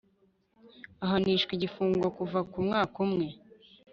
ahanishwa igifungo kuva ku mwaka umwe